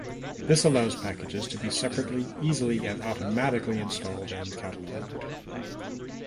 This allows packages to be separately, easily and automatically installed and catalogued.